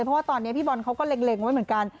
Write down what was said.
เพราะว่าตอนนี้พี่บอลเขาก็เล็งไว้เหมือนกัน